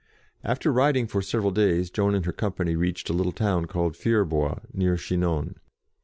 After riding for several days, Joan and her company reached a little town called Fierbois, near Chinon.